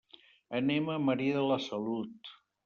Anem a Maria de la Salut.